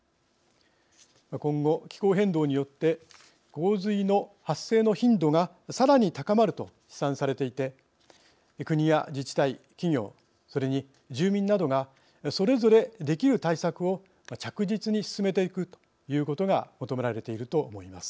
今後気候変動によって洪水の発生の頻度がさらに高まると試算されていて国や自治体企業それに住民などがそれぞれできる対策を着実に進めていくということが求められていると思います。